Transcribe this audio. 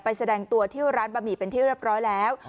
ไปแสดงตัวเที่ยวร้านบะหมี่เป็นเที่ยวเรียบร้อยแล้วอ๋อ